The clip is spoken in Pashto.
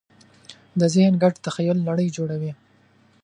د ذهن ګډ تخیل نړۍ جوړوي.